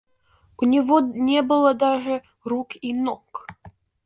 У него не было даже рук и ног.